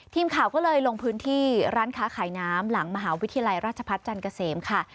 ทีมข่าวก็เลยลงพื้นที่ร้านค้าขายน้ำหลังมหาวิทยาลัยราชพัฒน์จันทร์เกษมค่ะ